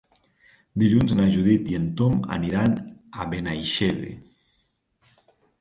Dilluns na Judit i en Tom aniran a Benaixeve.